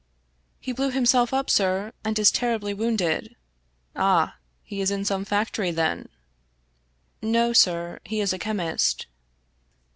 " He blew himself up, sir, and is terribly wounded." " Ah ! He is in some factory, then ?"" No, sir, he is a chemist."